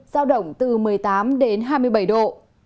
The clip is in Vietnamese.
giao động từ một mươi tám đến hai mươi bảy độ